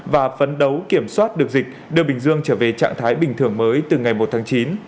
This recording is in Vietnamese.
và phấn đấu kiểm soát được dịch đưa bình dương trở về trạng thái bình thường mới từ ngày một tháng chín